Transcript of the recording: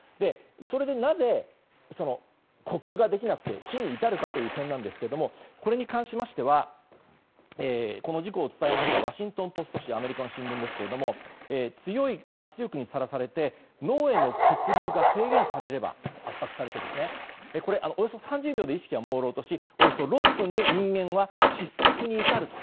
それでなぜ、呼吸ができなくて死に至るかという点なんですがこれに関しましてはこの事故を伝えたワシントン・ポスト紙アメリカの新聞ですが強い圧力にさらされて脳への血流が制限されればおよそ３０秒で意識がもうろうとしおよそ６分で人間は窒息に至ると。